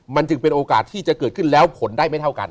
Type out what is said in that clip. มันจึงเป็นโอกาสที่จะเกิดขึ้นแล้วผลได้ไม่เท่ากัน